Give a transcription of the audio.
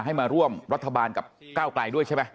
ให้มาร่วมรัฐบาลกับก้าวไกลด้วยใช่ไหม